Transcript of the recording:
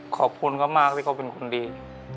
ขอบคุณเขามากที่เขาเป็นคนดี